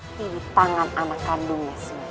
hati di tangan anak kandung